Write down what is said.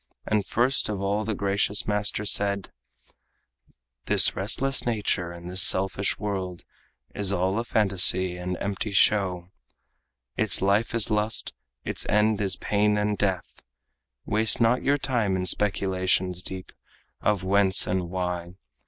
And first of all the gracious master said: "This restless nature and this selfish world Is all a phantasy and empty show; Its life is lust, its end is pain and death. Waste not your time in speculations deep Of whence and why.